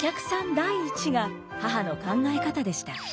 第一が母の考え方でした。